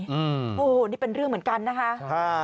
โอ้โหนี่เป็นเรื่องเหมือนกันนะคะ